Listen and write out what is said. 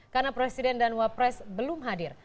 karena presiden dan wakil presiden belum hadir